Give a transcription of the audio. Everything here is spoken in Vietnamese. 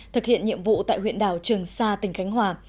thực hiện nhiệm vụ tại huyện đảo trường sa tỉnh khánh hòa